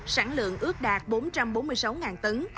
sản lượng ước đạt bốn trăm bốn mươi sáu tấn